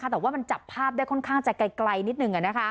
แต่ว่ามันจับภาพได้ค่อนข้างจะไกลนิดนึง